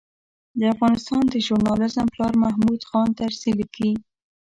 د افغانستان د ژورنالېزم پلار محمود خان طرزي لیکي.